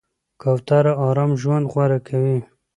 کوتره آرام ژوند غوره کوي.